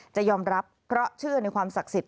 จะยอมรับเพราะเชื่อในความศักดิ์สิทธิ